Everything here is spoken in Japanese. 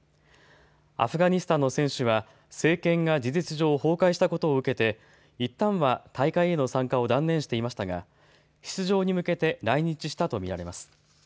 アフガニスタンの選手は政権が事実上崩壊したことを受けていったんは大会への参加を断念していましたが出場に向けて来日したと見られます。